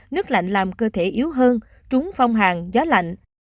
nước lạnh làm cơ thể yếu hơn trúng phong hàng giá lạnh